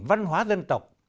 văn hóa dân tộc